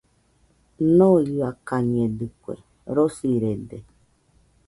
Ñoiakañedɨkue, rosirede.